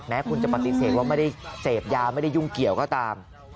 คุณจะปฏิเสธว่าไม่ได้เสพยาไม่ได้ยุ่งเกี่ยวก็ตาม